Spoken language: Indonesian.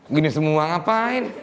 gini semua ngapain